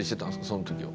その時は。